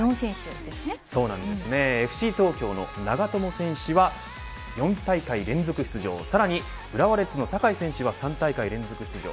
ＦＣ東京の長友選手は４大会連続出場、そして浦和レッズの酒井選手は３大会連続出場。